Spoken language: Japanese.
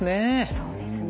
そうですね。